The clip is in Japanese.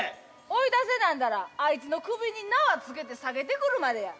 追い出せなんだらあいつの首に縄つけて下げてくるまでや。